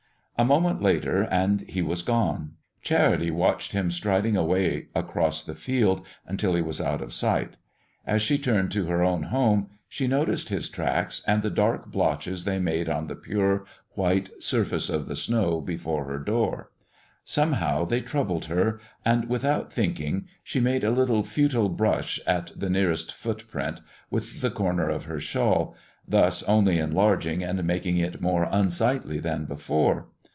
A moment later and he was gone. Charity watched him striding away across the field until he was out of sight. As she turned to her own home she noticed his tracks and the dark blotches they made on the pure, white surface of the snow before her door. Somehow they troubled her, and, without thinking, she made a little futile brush at the nearest footprint with the corner of her shawl, thus only enlarging and making it more unsightly than before.